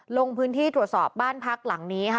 ลงพื้นที่ตรวจสอบบ้านพักหลังนี้ค่ะ